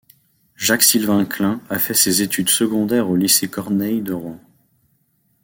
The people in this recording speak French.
Jacques-Sylvain Klein a fait ses études secondaires au lycée Corneille de Rouen.